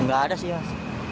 nggak ada sih mas